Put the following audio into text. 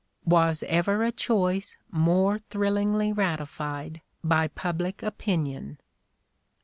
Was ever a choice more thrillingly ratified by public opinion!